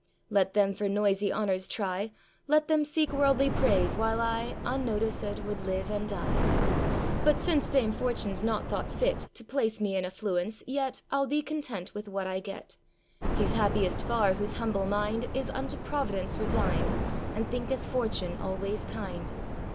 Let them for noisy honours try, Let them seek worldly praise, while I Unnoticèd would live and die. But since dame Fortune's not thought fit To place me in affluence, yet I'll be content with what I get. He's happiest far whose humble mind, Is unto Providence resigned, And thinketh fortune always kind.